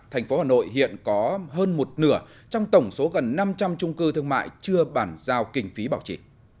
thành phố hà nội hiện có hơn một nửa trong tổng số gần năm trăm linh trung cư thương mại chưa bản giao kinh phí bảo trì